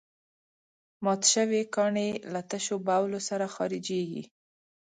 مات شوي کاڼي له تشو بولو سره خارجېږي.